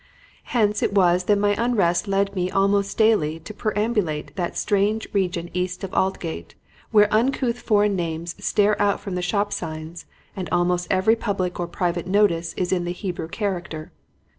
"Hence it was that my unrest led me almost daily to perambulate that strange region east of Aldgate where uncouth foreign names stare out from the shop signs and almost every public or private notice is in the Hebrew character.